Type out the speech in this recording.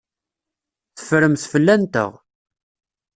Teffremt fell-anteɣ.